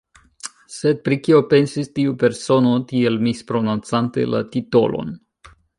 Sed pri kio pensis tiu persono, tiel misprononcante la titolon?